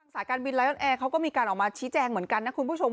สายการบินไลทอนแอร์เขาก็มีการออกมาชี้แจงเหมือนกันนะคุณผู้ชม